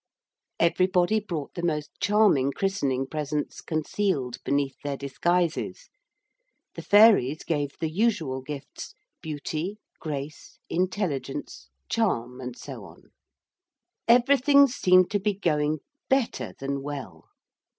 Everybody brought the most charming christening presents concealed beneath their disguises. The fairies gave the usual gifts, beauty, grace, intelligence, charm, and so on. Everything seemed to be going better than well.